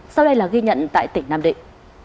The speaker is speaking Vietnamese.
sau đây là ghi nhận tại tỉnh nam định